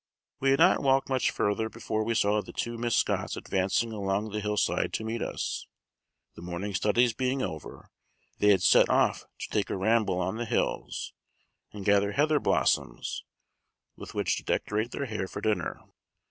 We had not walked much further before we saw the two Miss Scotts advancing along the hillside to meet us. The morning studies being over, they had set off to take a ramble on the hills, and gather heather blossoms, with which to decorate their hair for dinner.